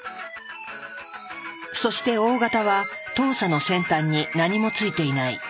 そしてＯ型は糖鎖の先端に何もついていない。